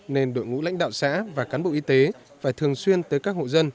nên đội ngũ lãnh đạo xã và cán bộ y tế phải thường xuyên tới các hộ dân